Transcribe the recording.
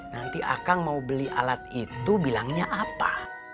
nanti akang mau beli alat itu bilangnya apa